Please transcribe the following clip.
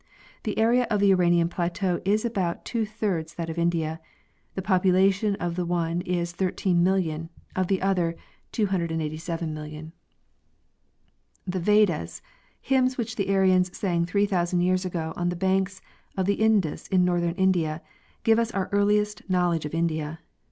The area of the Iranian plateau is about two thirds that of India; the population of the one is 138,000,000; of the other, 287,000,000. The vedas, hymns which the Aryans sang three thousand years ago on the banks of the Indus in northern India, give us our earliest knowledge of India.